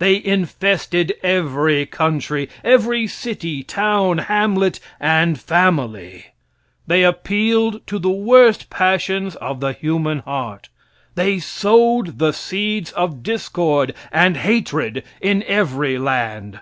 They infested every country, every city, town, hamlet, and family. They appealed to the worst passions of the human heart. They sowed the seeds of discord and hatred in every land.